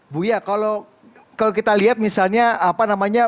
bu ya kalau kita lihat misalnya apa namanya